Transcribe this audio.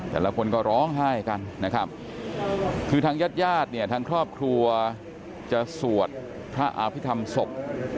แต่ละคนก็ร้องไห้กันนะครับคือทางญาติญาติเนี่ยทางครอบครัวจะสวดพระอภิษฐรรมศพ